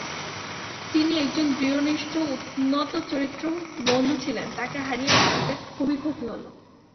তিনি একজন দৃঢ়নিষ্ঠ উন্নতচরিত্র বন্ধু ছিলেন, তাঁকে হারিয়ে ভারতের খুবই ক্ষতি হল।